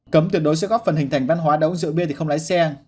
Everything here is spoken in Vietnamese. hai cấm tuyệt đối sẽ góp phần hình thành văn hóa đã uống rượu bia thì không lái xe